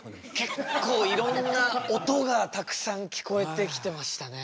結構いろんな音がたくさん聞こえてきてましたね。